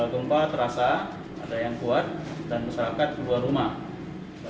gempa terasa ada yang kuat dan masyarakat keluar rumah